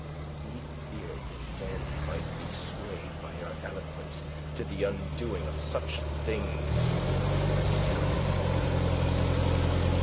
He feared that men might be swayed by your eloquence to the undoing of such things as himself.